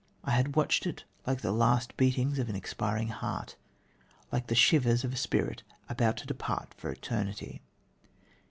I had watched it like the last beatings of an expiring heart, like the shiverings of a spirit about to depart for eternity."